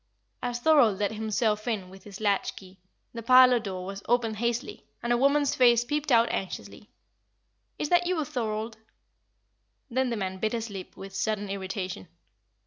As Thorold let himself in with his latch key, the parlour door was opened hastily, and a woman's face peeped out anxiously. "Is that you, Thorold?" Then the man bit his lip with sudden irritation.